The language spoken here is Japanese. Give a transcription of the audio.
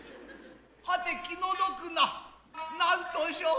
はて気の毒な何んとせう。